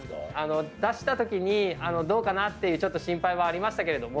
出したときにどうかな？っていうちょっと心配はありましたけれども。